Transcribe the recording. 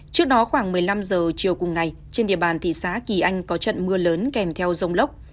trước đó khoảng một mươi năm giờ chiều cùng ngày trên địa bàn thị xá kỳ anh có trận mưa lớn kèm theo dông lốc